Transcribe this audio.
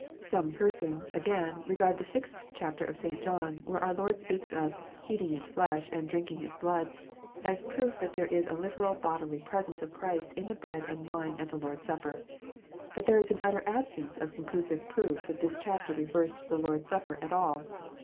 Some persons, again, regard the sixth chapter of St. John, where our Lord speaks of " eating His flesh and drinking His blood," as a proof that there is a literal bodily presence of Christ in the bread and wine at the Lord s Supper. But there is an utter absence of conclusive proof that this chapter refers to the Lord s Supper at all